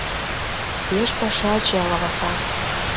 Пеш пашаче, лаваса